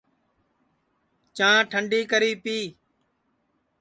چاں ٹنڈی کری پی